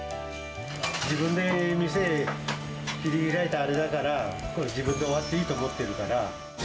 自分で店切り開いたあれだから、自分で終わっていいと思っているから。